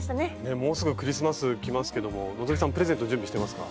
もうすぐクリスマス来ますけども希さんプレゼント準備してますか？